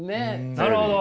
なるほど！